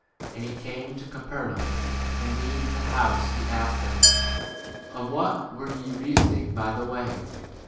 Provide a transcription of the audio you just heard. And he came to Capernaum, and being in the house, he asked them, Of what were ye reasoning 1 by the way?